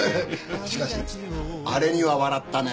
しかしあれには笑ったね